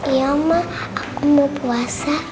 iya mama aku mau puasa